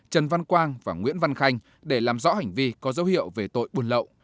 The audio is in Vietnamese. trần văn quang và nguyễn văn khanh để làm rõ hành vi có dấu hiệu về tội buôn lậu